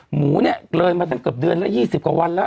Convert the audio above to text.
หมูเนี่ยเลยมาตั้งเกือบเดือนแล้ว๒๐กว่าวันแล้ว